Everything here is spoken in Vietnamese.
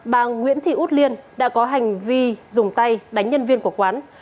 bà nguyễn thị út liên đã có hành vi dùng tay đánh nhân viên của quán